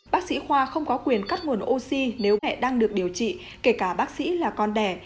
bác sĩ khoa không có quyền cắt nguồn oxy nếu mẹ đang được điều trị kể cả bác sĩ là con đẻ